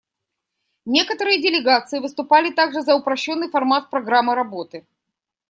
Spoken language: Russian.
Некоторые делегации выступали также за упрощенный формат программы работы.